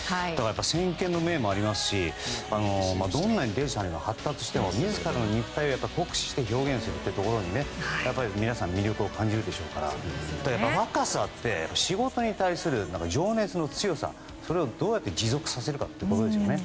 先見の明もありますしどんなにデジタルが発達しても自らの肉体を酷使して表現するっていうところに皆さん、魅力を感じるでしょうし若さって仕事に対する情熱の強さそれをどうやって持続させるかということですよね。